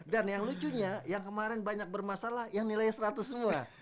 dan yang lucunya yang kemarin banyak bermasalah yang nilainya seratus semua